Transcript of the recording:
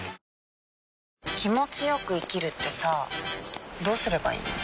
気持ちよく生きるってさどうすればいいの？